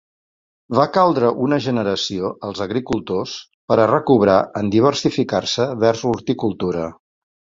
Va caldre una generació als agricultors per a recobrar en diversificar-se vers l'horticultura.